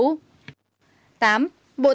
tám bộ tài nguyên